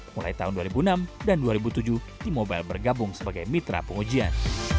mulai tahun dua ribu enam dan dua ribu tujuh t mobile bergabung sebagai mitra pengujian